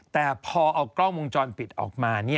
แต่พอเอากล้องวงจรปิดออกมา